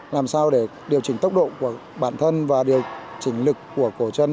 làm sao để điều chỉnh tốc độ của bản thân và điều chỉnh lực của cổ chân